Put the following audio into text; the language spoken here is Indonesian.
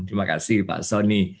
terima kasih pak soni